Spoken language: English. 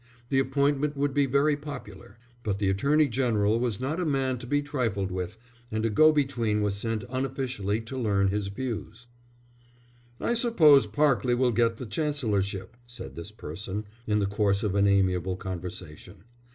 The appointment would be very popular. But the Attorney General was not a man to be trifled with, and a go between was sent unofficially to learn his views. "I suppose Parkleigh will get the Chancellorship," said this person, in the course of an amiable conversation.